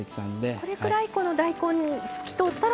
これくらい大根透き通ったら。